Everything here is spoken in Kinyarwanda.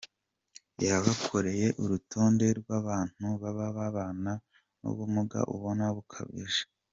com yabakoreye urutonde rw’abantu baba babana n’ubumuga ubona bukabije.